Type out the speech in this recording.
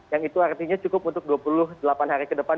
yang itu artinya cukup untuk dua puluh delapan hari ke depan